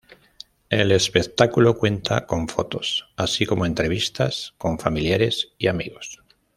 El espectáculo cuenta con fotos, así como entrevistas con familiares y amigos.